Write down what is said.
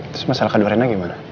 terus masalah kandung rena gimana